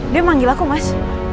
dia manggil aku mas